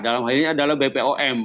dalam hal ini adalah bpom